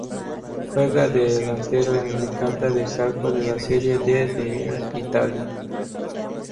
Juega de delantero en Licata Calcio de la Serie D de Italia.